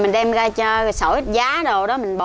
mình đem ra sổ giá đồ đó